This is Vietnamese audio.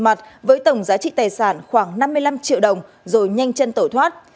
mặt với tổng giá trị tài sản khoảng năm mươi năm triệu đồng rồi nhanh chân tẩu thoát